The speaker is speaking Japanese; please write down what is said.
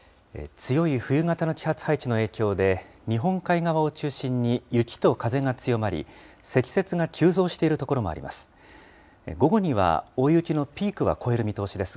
強い冬型の気圧配置の影響で、日本海側を中心に雪と風が強まり、積雪が急増している所もあります。